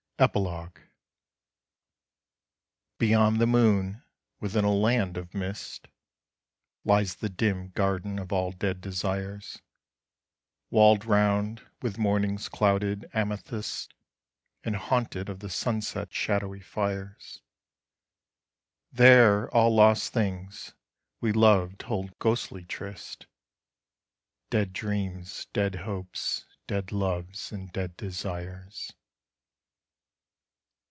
EPILOGUE. Beyond the moon, within a land of mist, Lies the dim Garden of all Dead Desires, Walled round with morning's clouded amethyst, And haunted of the sunset's shadowy fires; There all lost things we loved hold ghostly tryst Dead dreams, dead hopes, dead loves, and dead desires.